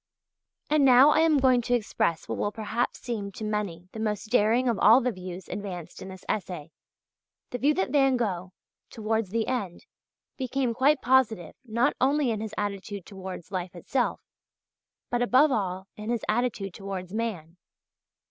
And now I am going to express what will perhaps seem to many the most daring of all the views advanced in this essay, the view that Van Gogh, towards the end, became quite positive not only in his attitude towards life itself, but above all in his attitude towards man.